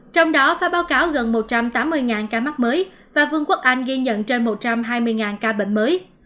trong đó phải báo cáo gần một trăm tám mươi ca mắc mới và vương quốc anh ghi nhận trên một trăm hai mươi ca bệnh mới